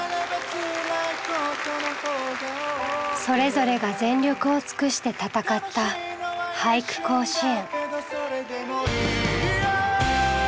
それぞれが全力を尽くして戦った俳句甲子園。